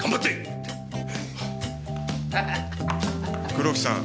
黒木さん。